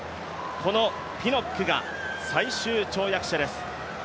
このピノックが最終跳躍者です。